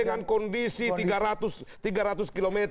dengan kondisi tiga ratus km